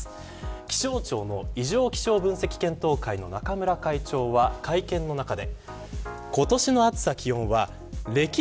気象庁の異常気象分析検討会の中村会長は、会見の中で。